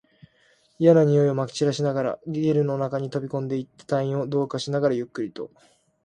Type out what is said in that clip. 嫌な臭いを撒き散らしながら、ゲルの中に飛び込んでいった隊員を同化しながら、ゆっくりと